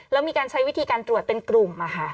แล้วมีการใช้วิธีการตรวจเป็นกลุ่ม